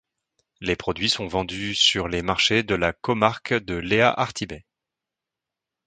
Les produits sont vendus sur les marchés de la comarque de Lea-Artibai.